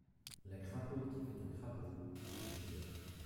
La crapaude qui fait un crapaud fait un chef-d’œuvre.